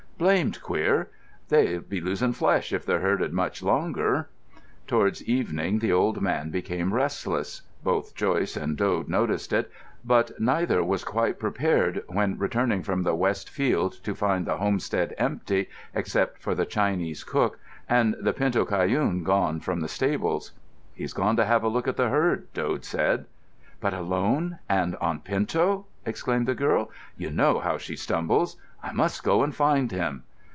"Blamed queer. They'll be losing flesh if they're herded much longer." Towards evening the old man became restless—both Joyce and Dode noticed it, but neither was quite prepared when returning from the west field to find the homestead empty, except for the Chinese cook, and the pinto cayune gone from the stables. "He's gone to have a look at the herd," Dode said. "But alone, and on pinto!" exclaimed the girl. "You know how she stumbles. I must go and find him."